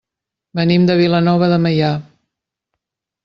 Venim de Vilanova de Meià.